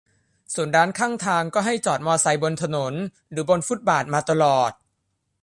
ส่วนร้านข้างทางก็ให้จอดมอไซค์บนถนนหรือบนฟุตบาทมาตลอด